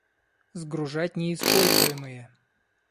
Сгружать неиспользуемые